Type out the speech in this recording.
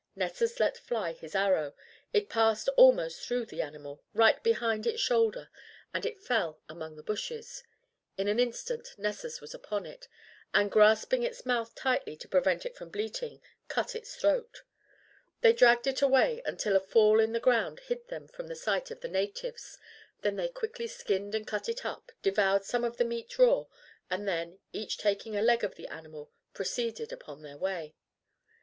Nessus let fly his arrow, it passed almost through the animal, right behind its shoulder, and it fell among the bushes. In an instant Nessus was upon it, and, grasping its mouth tightly to prevent it from bleating, cut its throat. They dragged it away until a fall in the ground hid them from the sight of the natives, then they quickly skinned and cut it up, devoured some of the meat raw, and then, each taking a leg of the animal, proceeded upon their way.